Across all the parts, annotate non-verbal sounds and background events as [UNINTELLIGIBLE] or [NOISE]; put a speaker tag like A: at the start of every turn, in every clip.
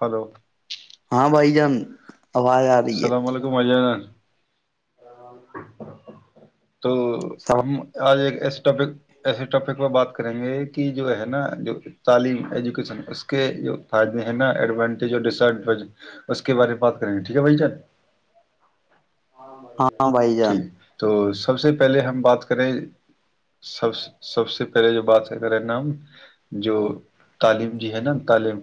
A: hello
B: ہاں بھائی جان اواز ا رہی ہے
A: السلام علیکم اجان [UNINTELLIGIBLE] تو
B: ہے
A: ہم اج ایک اس ٹاپک ایسی ٹاپک میں بات کریں گے کہ جو ہے نا تعلیم ایجوکیشن اس کے بعد میں ہے نا ایڈوانٹی جو ڈیسنٹ اس کے بارے میں بات کریں گے ٹھیک ہے بھائی جان
B: ہاں بھائی جان
A: ٹھیک تو سب سے پہلے ہم بات کریں سب سے پہلے جو بات ہے کریں نا جو تعلیم دی ہے نا تعلیم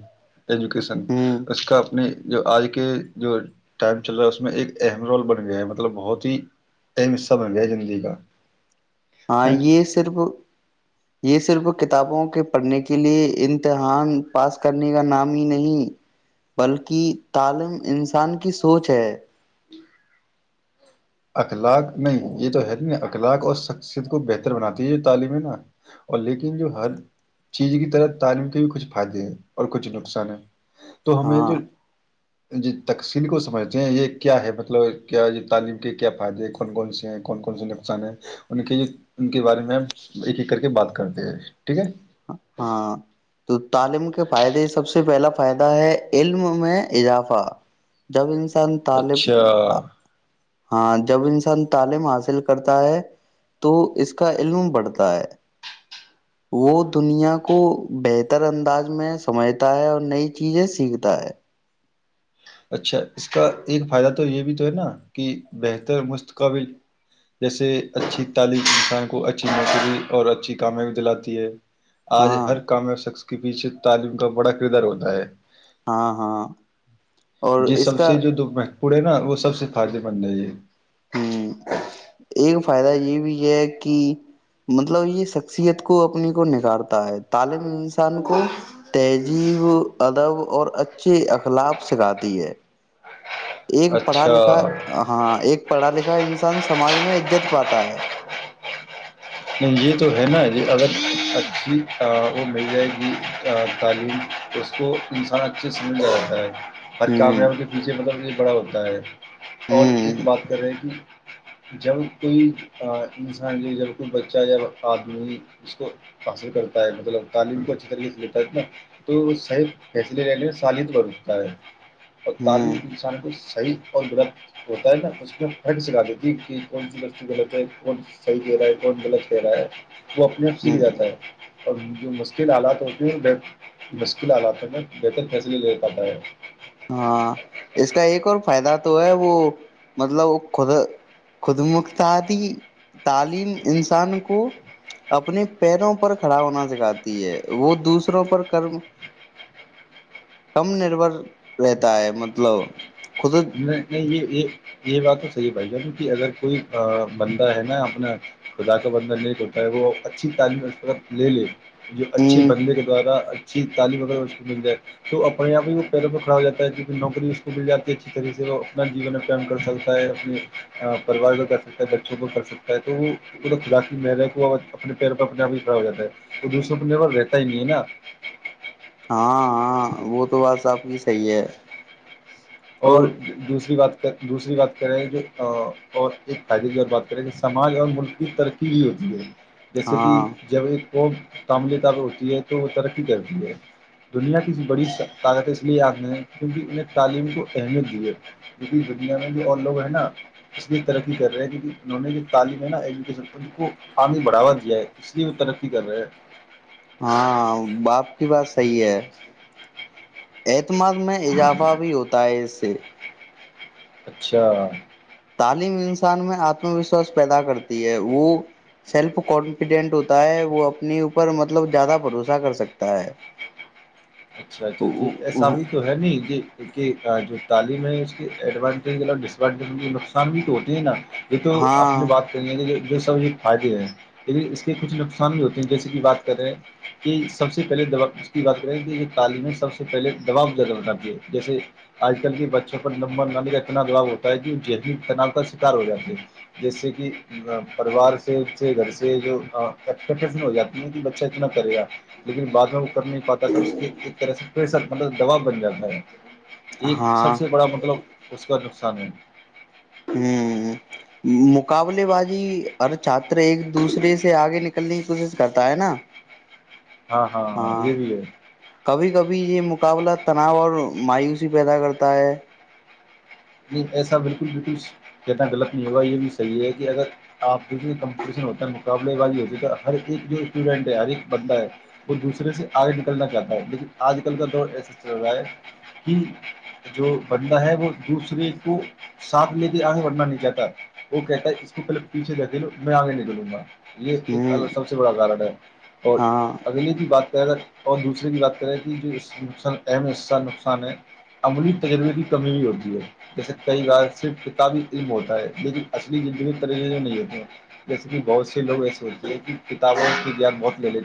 A: ایجوکیشن
B: ہوں
A: اس کا اپ نے جو اج کے جو ٹائم چل رہا ہے اس میں ایک ایمرل بن گیا ہے مطلب بہت ہی اہم حصہ بن گیا جنگلی کا
B: ہاں یہ صرف یہ صرف کتابوں کے پڑھنے کے لیے ان امتحان پاس کرنے کا نام ہی نہیں بلکہ عالم انسان سوچ ہے
A: اخلاق نہیں یہ تو علم اخلاق اور شخصیت کو بہتر بناتی ہے جو تعلیم ہے نا اور لیکن جو ہر چیز کی طرف تعلیم کے بھی کچھ ہاں جی اور کچھ نقصان ہے تو ہمیں
B: ہاں
A: جو جی تقسیم کو سمجھتے ہیں یہ کیا ہے مطلب کیا طالب کے کیا فائدے ہیں کون کون سے ہیں کون کون سے نقصان ہے ان کی ان کے بارے میں کر کے بات کرتے ہیں ٹھیک ہے
B: ہاں تو تعلیم کے فائدے سب سے پہلا فائدہ ہے علم میں اضافہ جب انسان طالم
A: اچھا
B: ب جب انسان تعلیم حاصل کرتا ہے تو اس کا علم بڑھتا ہے وہ دنیا کو بہتر انداز میں سمجھتا ہے اور نئی چیزیں سیکھتا ہے
A: اچھا اس کا ایک فائدہ تو یہ بھی تو ہے نا کہ بہتر مستقبل جیسے اچھی تعلیم کو [INAUDIBLE] اور اچھی کامیابی دلاتی ہے اج
B: ہاں
A: ہر کام میں کہ پیچھے تعلیم کا بڑا کدھر ہوتا ہے
B: ہاں ہاں اور اس
A: جسم
B: کا
A: سے جو دکھ میں پورے نا وہ سب سے بنتا ہے یہ
B: ھ فائدہ یہ بھی یہ ہے کہ مطلب یہ شخصیت کو اپنے کو نگارتا ہے طالب انسان کو تہجی ادب اور اچھی اخلاق سکھاتی ہے ایک پڑھا
A: اچھا
B: لکھا ہے ہاں ایک پڑھا لکھا انسان سماج میں ءذذت پاتا ہے
A: جی تو ہے نا جی اچھا وہ مل جائے گی اس کو [INAUDIBLE] ہر
B: ہوں
A: کامیابی کے پیچھے مطلب یہ بڑا ہوتا ہے اور ایک
B: ہوں
A: بات کر رہا ہے کہ جب کوئی انسان [INAUDIBLE] [UNINTELLIGIBLE] اس کو حاصل کرتا ہے مطلب تعلیم کو اچھی طریقے سے تو سہیلی لے لیں سالی بھر اٹھتا ہے اور تعلیم
B: ہوں
A: انسان کو صحیح اور ہوتا ہے نا اس کو تھرڈ سکھا دیتی کہ کون سی ک
B: ہوں
A: جاتا ہے اور جو مشکل حالات ہوتے ہیں مشکل حالاتر میں بہتر فیصلے لے پاتا ہے
B: ہاں اس کا ایک اور فائدہ تو ہے وہ [UNINTELLIGIBLE] [UNINTELLIGIBLE] کو اپنے پیروں پر کھڑا ہونا سکھاتی ہے وہ دوسروں پر کرم کم نروس لیتا ہے مطلب خود ہ
A: یہ بات تو صحیح ہے بھائی جان اگر کوئی بندہ ہے نا اپنا خدا کا بندہ نہیں ٹوٹا ہے وہ اچھی تعلیم اس وقت لے لے یہ اچھی بننے کے بعد نوکری اس کو مل جاتی ہے رہتا ہی نہیں ہے نا
B: ہاں وہ تو بس اپ کی صحیح ہے
A: [UNINTELLIGIBLE]
B: اور
A: سماج اور ملک کی ترقی نہیں ہوتی [INAUDIBLE] جیسے کہ
B: ہاں
A: جاوید کو ہوتی ہے تو وہ ترقی کرتی ہے دنیا کی بڑی [UNINTELLIGIBLE] دنیا میں بھی اور لوگ ہیں نا اس لیے ترقی کر رہے ہیں کہ انہوں نے جو تعلیم ہے نا [INAUDIBLE] پانی بڑھاوا دیا ہے اس لیے [UNINTELLIGIBLE]
B: ہاں باپ کی بات صحیح ہے [INAUDIBLE] میں اضافہ بھی ہوتا ہے اس سے
A: اچھا
B: تعلیم انسان میں ہاتھ میں بھی ساس پیدا کرتی ہے وہ سیلف کارڈنپیڈنٹ ہے وہ اپنی پر مطلب زیادہ بھروسہ کر سکتا ہے
A: تو ہے نہیں جی جو تعلیم ہے اس کی ایڈوانٹی نقصان نہیں ہوتے ہیں نا یہ تو اپنی
B: ہاں
A: بات کرنی ہے کہ جو اس کے کچھ نقصان [INAUDIBLE] سے بھی بات کر رہے ہیں سب سے پہلے دواس کی تعلیمی سب سے پہلے جواب لگا ہوا تھا جیسے اج کل بھی بچوں پر لمبا نالے کا اتنا دوا ہوتا ہے کیوں جی [UNINTELLIGIBLE] جیسے کہ پروار سے ہو جاتی ہیں بچہ اتنا کرے گا لیکن بعد میں نہیں پتا تھا اس کی دوا بن جاتا ہے یہ سب
B: ہاں
A: سے بڑا مطلب اس کا [INAUDIBLE]
B: مقابلے بازی ایک دوسرے سے اگے نکل کلی کرتا ہے نا [UNINTELLIGIBLE]
A: ہاں ہاں یہ بھی ہے
B: کبھی کبھی یہ مقابلہ تناور مایوسی پیدا کرتا ہے
A: [UNINTELLIGIBLE] [UNINTELLIGIBLE] کہ اگر اپ کسی کمپوزیشن ہوتا ہے مقابلے والی ہو جائے گا ہر ایک جو سٹوڈنٹ ہے ہر ایک بندہ ہے وہ دوسرے سے اگے نکلنا چاہتا ہے لیکن اج کل کا دور ایسا چل رہا ہے ان جو بننا ہے وہ [UNINTELLIGIBLE] ساتھ میں بھی ائیں ورنہ نہیں جاتا وہ کہتا ہے اس کی میں اگے نکلوں گا یہ ایک
B: ہوں
A: سب سے بڑا ہے اور
B: ہاں
A: اگلے کی بات کر حصہ نقصان ہے عملی تجربے کی کمی نہیں ہوتی [INAUDIBLE] کئی بار صرف کتابی فلم ہوتا ہے [UNINTELLIGIBLE] بہت لے لی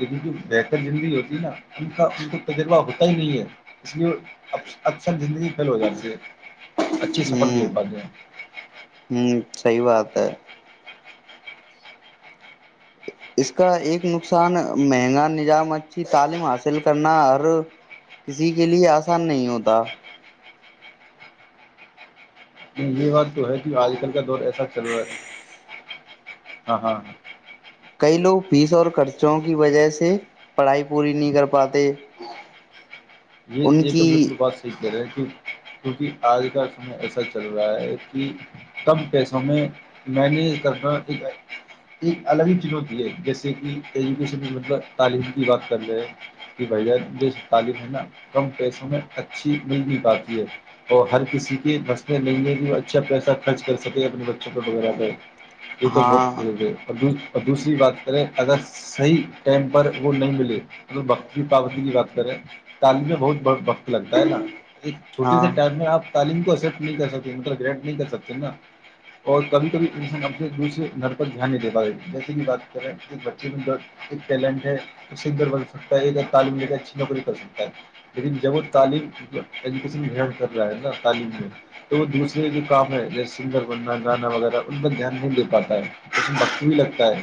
A: یہ ویڈیو بہتر زندگی ہوتی نا اس کو تجربہ ہوتا ہی نہیں ہے اس لیے اب ہو جاتی ہے اچھی سفل
B: ہوں ہوں [UNINTELLIGIBLE] اس کا ایک نقصان مہنگان نظام اچھی تعلیم حاصل کرنا اور کسی کے لیے اسان نہیں ہوتا
A: یہ بات تو ہے جی اج کل کا دور ایسا چل رہا ہے ہاں ہاں
B: [UNINTELLIGIBLE] چوں کی وجہ سے پڑھائی پوری نہیں کر پاتے
A: یہ
B: ان
A: یہ تو
B: کی
A: بالکل بات صحیح کہہ رہا ہے کیونکہ اج کا اس میں ایسا چل رہا ہے کہ کم پیسوں میں میں نے کہا ہے تعلیم کی بات کرتے ہیں کہ بھائی جان تعلیم کی بات کر لیں کہ بھائی جان اچھی ملتی باقی ہے اور ہر کسی کے نسخے لینے کو اچھا پیسہ خرچ کر سکے اپنے بچوں کو وغیرہ کر یہ تو
B: ہاں
A: بہت دوسری بات کریں اگر صحیح ٹائم پر وہ نہیں ملے بختی پابندی کی بات کریں تعلیم بہت وقت لگتا ہے نا ایک چھوٹی سے
B: ہاں
A: ٹائم میں اپ تعلیم کو نہیں کر سکتے انٹر گریڈ نہیں کر سکتے نا اور کبھی کبھی ہم سے دوسرے نر تک دھیان نہیں دیتا جیسے کی بات کریں اس بچے بھی ٹیلنٹ ہے سنگر بن سکتا ہے تو تعلیم اچھی نوکری جب تعلیم کیا تعلیم میں تو دوسرے جو کام ہے سندر بندہ نانا وغیرہ ان کا دھیان نہیں لے پاتا ہے اس وقت بھی لگتا ہے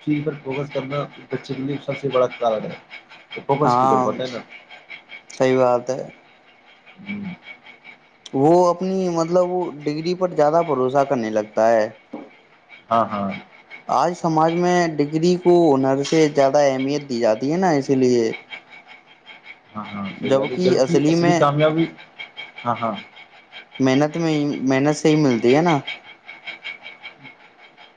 A: سب سے بڑا کارڈ ہے وہ فوکس بھی
B: ہاں
A: کر پاتا ہے
B: صحیح بات ہے
A: [INAUDIBLE]
B: وہ اپنی مطلب وہ ڈگری پر زیادہ بھروسہ کرنے لگتا ہے
A: ہاں ہاں
B: اج سماج میں ڈگری [INAUDIBLE] زیادہ اہمیت دی جاتی ہے نا کے لیے جبک
A: اصلی
B: میں
A: کامیابی ہاں ہاں
B: محنت میں ہی محنت سے ملتی ہے نا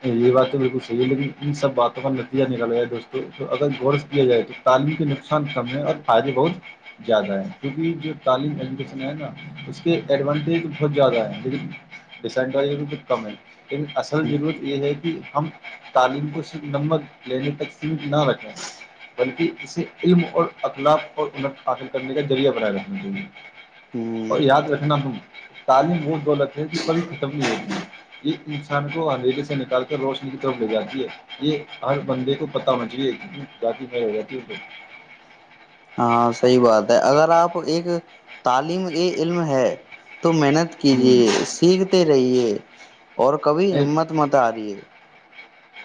A: یہ باتیں بالکل صحیح ہے لیکن ان سب باتوں کا نتیجہ نکل گیا دوستو تو اگر گورس کیا جائے تو تالوی کے نقصان کم ہے اور فائدے بہت زیادہ ہے کیونکہ یہ جو تعلیم ایجوکیشن ہے نا اس کے ایڈوانٹیج بہت زیادہ ہیں لیکن ڈیسینڈر یہ بھی کچھ کم ہے اصل ج یہ نہیں جی ہم تعلیم کو صرف نمک لینے تک فیڈ نہ رکھیں بلکہ اسے علم اور اپنا علم حاصل کرنے کا ذریعہ بنایا رہنا چاہیے
B: ہوں
A: اور یہاں پہ رکھنا تم تعلیم ہو دولت بڑی ختم نہیں ہوتی ایک انسان کو امیر نکال کے روشنی کی طرف لے جاتی ہے یہ ہر بندے کو پتہ ہونا چاہیے باقی میں رہتی ہے
B: ا صحیح بات ہے اگر اپ ایک تعلیم ہی علم ہے تو محنت
A: تو
B: کیجیے سیکھتے رہیے اور کبھی
A: ہوں
B: ہمت مت ا رہی ہے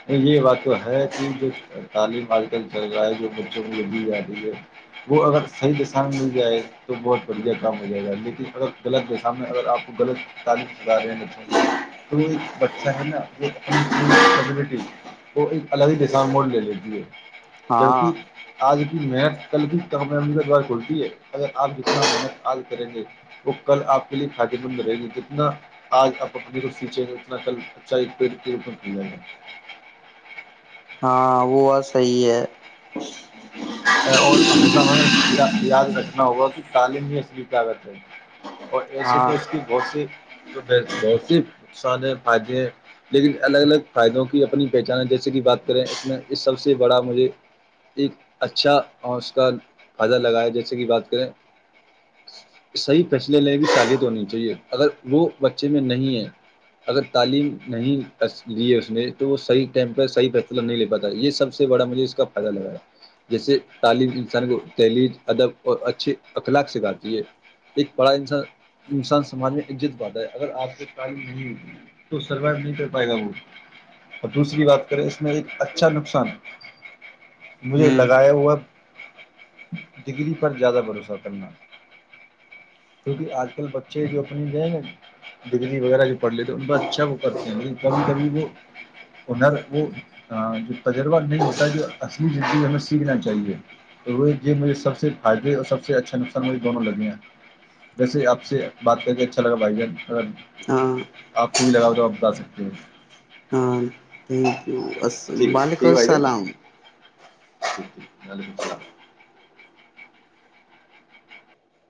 A: یہ بات تو ہے کہ جو تعلیم اج کل چل رہا ہے جو بچوں کو یہی اتی ہے وہ اگر صحیح مل جائے تو بہت بڑھیا کم ہو جائے گا لیکن اگر غلط کے سامنے اگر اپ کو غلط تالی بچہ ہے نا [INAUDIBLE]
B: ہاں
A: [INAUDIBLE] کل اپ کے لیے خادری کتنا اج اپ اپنے کو پیچھے سے اتنا کل اچھا
B: ہاں وہ بہت صحیح ہے
A: [INAUDIBLE] [INAUDIBLE]
B: ہاں
A: اس کی بہت سی لیکن الگ الگ فائدوں کی اپنی پہچان ہے جیسے کی بات کریں اس میں اس سب سے بڑا مجھے اچھا اور اس کا فائدہ لگایا جیسے کہ بات کریں صحیح فیصلے لیں گے چالیت ہونی چاہیے اگر وہ بچے میں نہیں ہے اگر تعلیم نہیں لیے اس نے تو وہ صحیح ٹیم پہ صحیح فیصلہ نہیں لے پاتا یہ سب سے بڑا مجھے اس کا فائدہ لگا ہے جیسے تعلیم انسان کو تحلیل ادب اور اچھی اخلاق سکھاتی ہے ایک بڑا انسان سماج میں حجت بانٹا ہے اگر اپ سے کام نہیں تو سروائیو نہیں کر پائے گا وہ اور دوسری بات کریں اس میں ایک اچھا نقصان مجھے
B: ہ
A: لگایا ہوا ڈگری پر زیادہ بھروسہ کرنا کیونکہ اج کل بچے جو اپنی ڈگنی وغیرہ جو پڑھ لے تو ان کا اچھا وہ پڑھتے ہیں کبھی کبھی وہ نر وہ جو تجربہ نہیں ہوتا جو اصلی زندگی چاہیے میرے سب سے فائدے اور سب سے اچھا نقصان دونوں لگے ہیں ویسے اپ سے بات کر کے اچھا لگا بھائی جان تھوڑا
B: ہاں
A: اپ کو بھی لگا ہو تو اپ بتا سکتے ہیں
B: ہاں تھینک یو وعلیکم السلام
A: وعلیکم السلام